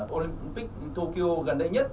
olympic tokyo gần đây nhất